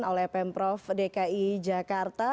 oleh pemprov dki jakarta